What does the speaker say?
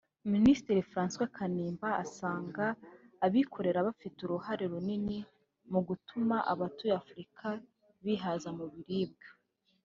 Minisitiri Francois Kanimba asanga abikorera bafite uruhare runini mu gutuma abatuye Afurika bihaza mu biribwa